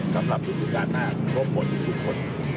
สำหรับฤดูการหน้าครบหมดทุกคน